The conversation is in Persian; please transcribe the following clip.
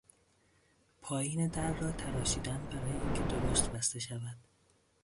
پایین در را تراشیدن برای اینکه درست بسته شود